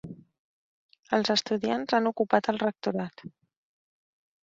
Els estudiants han ocupat el rectorat.